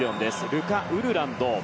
ルカ・ウルランド。